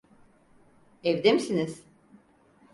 Evde misiniz?